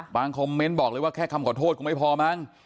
คอมเมนต์บอกเลยว่าแค่คำขอโทษคงไม่พอมั้ง